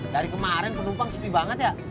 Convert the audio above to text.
dari kemarin penumpang sepi banget ya